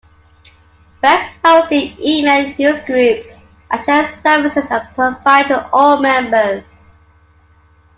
Web hosting, email, newsgroups, and shell services are provided to all members.